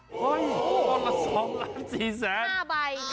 อุ๊ยอันนั้นละ๒ล้าน๔แสน๕ใบ